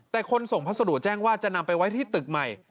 แต่คนส่งพัสดุแจ้งว่าจะนำไปไว้ที่ตึกใหม่